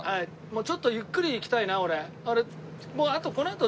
もうちょっとゆっくりいきたいな俺。